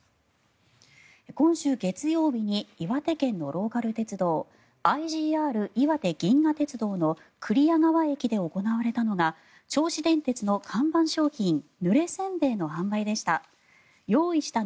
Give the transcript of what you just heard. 今週月曜日に岩手県のローカル鉄道ＩＧＲいわて銀河鉄道の厨川駅で行われたのは銚子電鉄の看板商品ぬれ煎餅の販売でした。